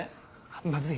まずい？